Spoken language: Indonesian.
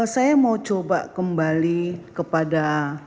saya mau coba kembali kepada